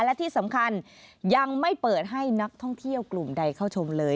และที่สำคัญยังไม่เปิดให้นักท่องเที่ยวกลุ่มใดเข้าชมเลย